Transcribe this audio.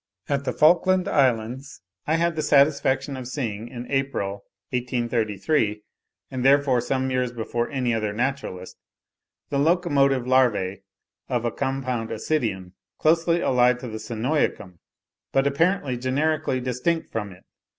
At the Falkland Islands I had the satisfaction of seeing, in April, 1833, and therefore some years before any other naturalist, the locomotive larvae of a compound Ascidian, closely allied to Synoicum, but apparently generically distinct from it.